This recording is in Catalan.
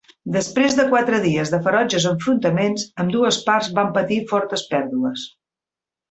Després de quatre dies de ferotges enfrontaments, ambdues parts van patir fortes pèrdues.